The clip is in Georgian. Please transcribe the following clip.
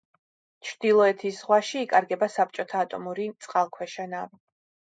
ჩრდილოეთის ზღვაში იკარგება საბჭოთა ატომური წყალქვეშა ნავი.